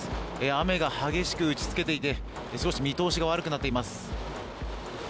雨が激しく打ちつけていて、少し見通しが悪くなっています。